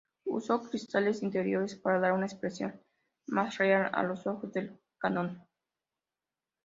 Usó cristales interiores para dar una expresión más real a los ojos del Kannon.